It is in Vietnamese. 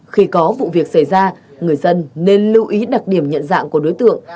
khi có vụ việc xảy ra người dân nên lưu ý đặc điểm nhận dạng của đối tượng